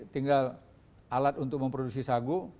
tinggal alat untuk memproduksi sagu